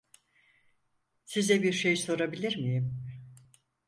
Size bir şey sorabilir miyim?